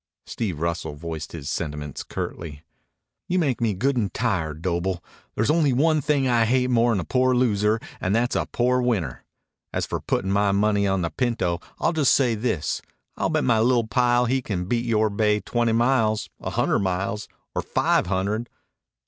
Steve Russell voiced his sentiments curtly. "You make me good and tired, Doble. There's only one thing I hate more'n a poor loser and that's a poor winner. As for putting my money on the pinto, I'll just say this: I'll bet my li'l' pile he can beat yore bay twenty miles, a hundred miles, or five hundred."